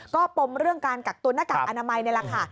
ก็ปมเรื่องการกักตัวหน้ากากอนามัยนี่แหละค่ะ